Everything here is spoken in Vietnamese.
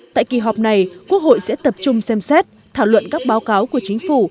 tại kỳ họp này quốc hội sẽ tập trung xem xét thảo luận các báo cáo của chính phủ